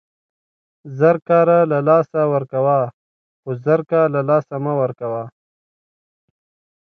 زر کاره له لاسه ورکوه، خو زرکه له له لاسه مه ورکوه!